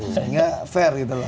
sehingga fair gitu lah